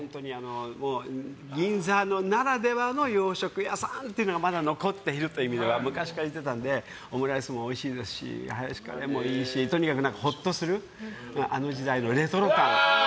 銀座ならではの洋食屋さんというのがまだ残っているという意味では昔から行ってたのでオムライスもおいしいですしカレーもいいしとにかくほっとするあの時代のレトロ感